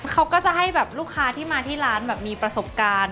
เขาก็จะให้แบบลูกค้าที่มาที่ร้านแบบมีประสบการณ์